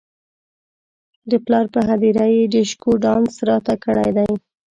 د پلار پر هدیره یې ډیشکو ډانس راته کړی دی.